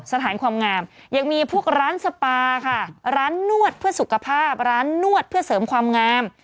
สถานความงามยังมีพวกร้านสปาค่ะร้านนวดเพื่อสุขภาพร้านนวดเพื่อเสริมความงาม